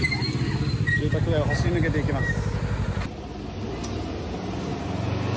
住宅街を走り抜けていきます。